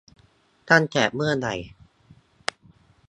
ตั้งแต่เมื่อใด ?